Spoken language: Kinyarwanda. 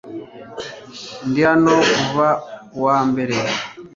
Ndi hano kuva kuwa mbere .